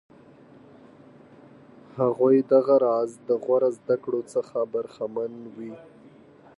هغوی دغه راز د غوره زده کړو څخه برخمن وي.